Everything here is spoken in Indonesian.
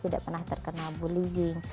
tidak pernah terkena bullying